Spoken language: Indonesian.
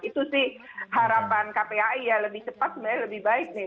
itu sih harapan kpai ya lebih cepat sebenarnya lebih baik nih